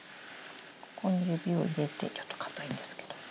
ここに指を入れてちょっと硬いんですけど。